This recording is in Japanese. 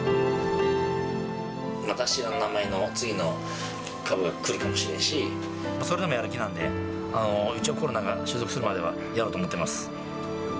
また知らない名前の次の株が来るかもしれんし、それでもやる気なんで、一応、コロナが収束するまではやろうと思ってます。